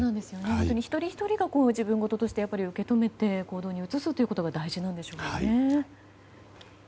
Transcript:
本当に一人ひとりが自分事として受け止めて行動に移すということが大事なんでしょうね。